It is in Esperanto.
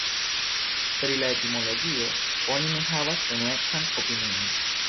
Pri la etimologio oni ne havas unuecan opinion.